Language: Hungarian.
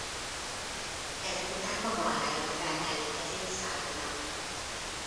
Ezek után maga ajánlja fel Nelly kezét Salvinak.